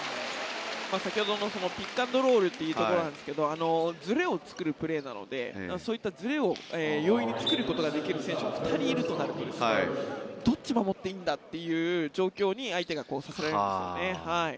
先ほどのピック・アンド・ロールというところですがずれを作るプレーなのでそういったずれを容易に作ることができる選手が２人いるとなるとどっちを持っていいんだという状況に相手がさせられるんですよね。